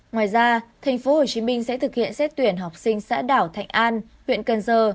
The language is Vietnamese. ngoài ra tp hcm sẽ thực hiện xét tuyển học sinh xã đảo thạnh an huyện cần giờ